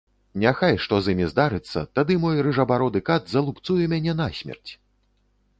Няхай што з імі здарыцца, тады мой рыжабароды кат залупцуе мяне насмерць.